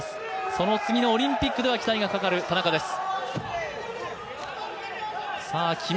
その次のオリンピックでは期待がかかる田中です。